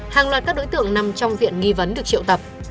hàng loạt các đối tượng nằm trong diện nghi vấn được triệu tập